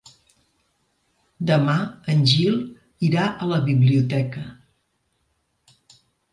Demà en Gil irà a la biblioteca.